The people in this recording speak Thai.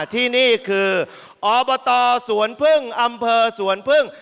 ที่นี่คืออบตสวนพึ่งอำเภอสวนพึ่ง